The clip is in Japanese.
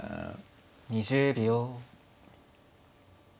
２０秒。